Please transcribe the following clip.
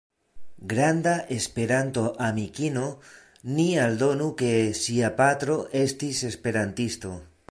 Granda Esperanto-amikino, ni aldonu ke ŝia patro estis esperantisto.